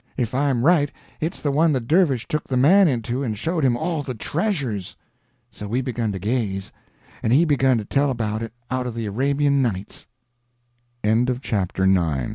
If I'm right, it's the one the dervish took the man into and showed him all the treasures." So we begun to gaze, and he begun to tell about it out of the Arabian Nights. CHAPTER X. THE TR